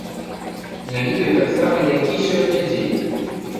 Не ведаю таксама, які сёння дзень.